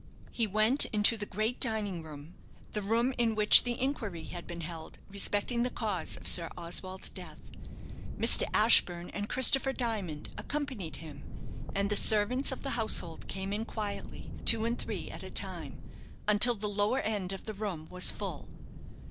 He went into the great dining room the room in which the inquiry had been held respecting the cause of Sir Oswald's death. Mr. Ashburne and Christopher Dimond accompanied him, and the servants of the household came in quietly, two and three at a time, until the lower end of the room was full.